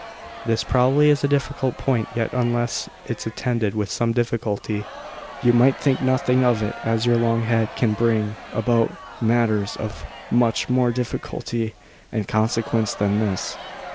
This probably is a difficult point, yet unless it's attended with some difficulty, you might think nothing of it, as your long head can bring about matters of much more difficulty and consequence than this.